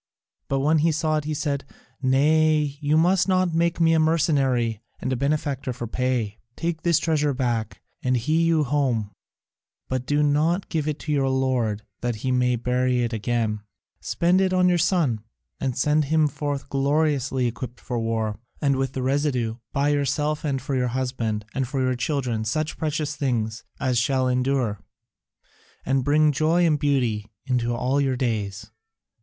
But when he saw it he said: "Nay, you must not make me a mercenary and a benefactor for pay; take this treasure back and hie you home, but do not give it to your lord that he may bury it again; spend it on your son, and send him forth gloriously equipped for war, and with the residue buy yourself and for your husband and your children such precious things as shall endure, and bring joy and beauty into all your days.